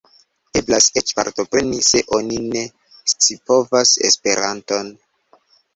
Eblas eĉ partopreni se oni ne scipovas Esperanton.